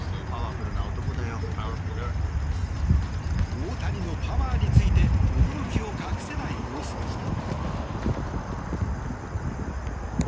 大谷のパワーについて驚きを隠せない様子でした。